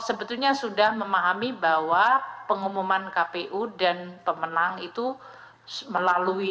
sebetulnya sudah memahami bahwa pengumuman kpu dan pemenang itu melalui